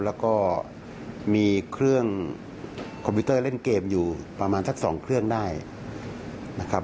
แล้วก็มีเครื่องคอมพิวเตอร์เล่นเกมอยู่ประมาณสัก๒เครื่องได้นะครับ